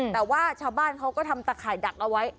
แต่ว่าชาวบ้านเขาก็ทำตะข่ายดักเอาไว้